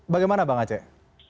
bagaimana bang aceh